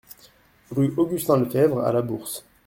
Rue Augustin Lefebvre à Labourse